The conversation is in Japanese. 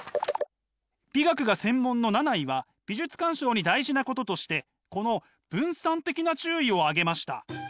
美学が専門のナナイは美術鑑賞に大事なこととしてこの「分散的な注意」を挙げました。